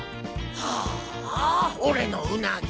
ああ俺のうなぎ。